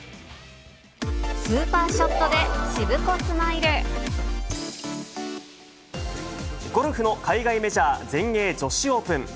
スーパーショットでしぶこスゴルフの海外メジャー、全英女子オープン。